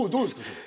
それ。